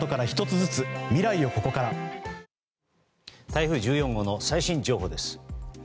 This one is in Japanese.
台風１４号の最新情報です。